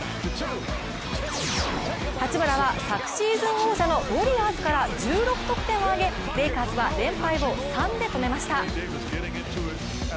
八村は昨シーズン王者のウォリアーズから１６得点を挙げレイカーズは連敗を３で止めました。